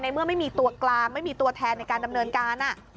เมื่อไม่มีตัวกลางไม่มีตัวแทนในการดำเนินการ